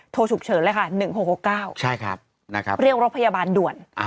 ฉุกเฉินเลยค่ะ๑๖๖๙เรียกรถพยาบาลด่วน